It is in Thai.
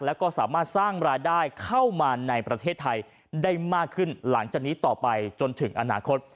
แล้วก็สามารถสร้างรายได้เข้ามาในประเทศไทยได้มากขึ้นหลังจากนี้ต่อไปจนถึงอนาคต